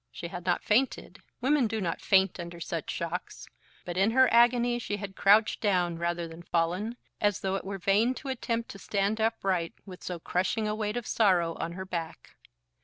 She had not fainted. Women do not faint under such shocks. But in her agony she had crouched down rather than fallen, as though it were vain to attempt to stand upright with so crushing a weight of sorrow on her back.